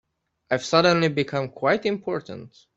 I've suddenly become quite important.